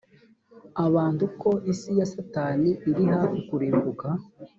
abantu ko isi ya satani iri hafi kurimbuka